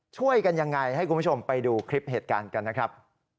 ช่วยกันยังไงให้คุณผู้ชมไปดูคลิปเหตุการณ์กันนะครับ